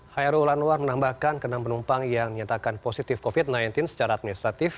hyrule anwar menambahkan enam penumpang yang nyatakan positif covid sembilan belas secara administratif